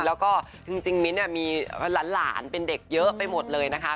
แล้วก็จริงมิ้นท์มีหลานเป็นเด็กเยอะไปหมดเลยนะคะ